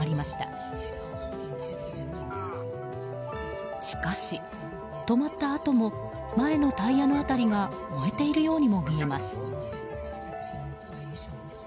しかし、止まったあとも前のタイヤの辺りが燃えているようにも見えます。